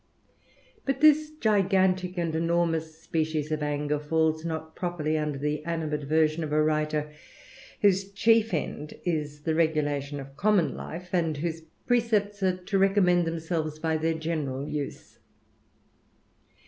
But this gigantick and enormous species of anger falls not properly under the animadversion of a writer, whose chief end is the regulation of common life, and whose precepts are to recommend themselves by their general use.